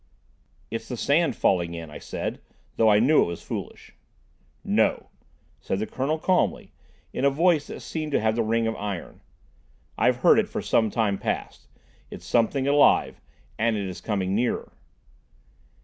"It's the sand falling in," I said, though I knew it was foolish. "No," said the Colonel calmly, in a voice that seemed to have the ring of iron, "I've heard it for some time past. It is something alive—and it is coming nearer."